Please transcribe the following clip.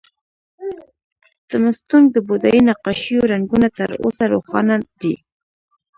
د مستونګ د بودايي نقاشیو رنګونه تر اوسه روښانه دي